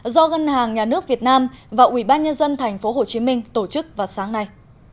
do ngân hàng nhà nước việt nam và ubnd tp hcm tổ chức vào sáng nay